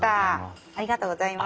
ありがとうございます。